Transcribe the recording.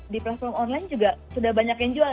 di platform online juga sudah banyak yang jual